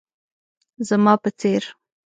زما په څير